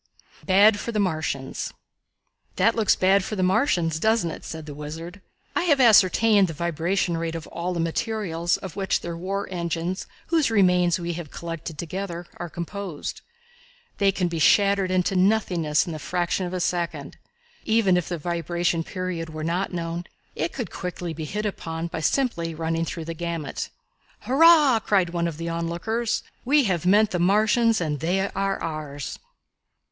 Bad for the Martians. "That looks bad for the Martians, doesn't it?" said the Wizard. "I have ascertained the vibration rate of all the materials of which their war engines whose remains we have collected together are composed. They can be shattered into nothingness in the fraction of a second. Even if the vibration period were not known, it could quickly be hit upon by simply running through the gamut." "Hurrah!" cried one of the onlookers. "We have met the Martians and they are ours."